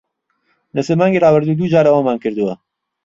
لە سێ مانگی ڕابردوو، دوو جار ئەوەمان کردووە.